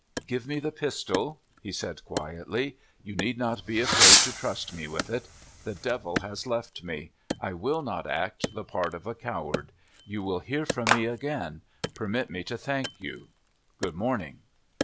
^' Give me the pistol," he said quietly; "you need not be afraid to trust me with it. The devil has left me. I will not act the part of a coward. You will hear from me again. Perm.it me to thank you. Good morning."